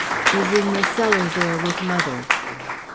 "Is in the cellar there with mother."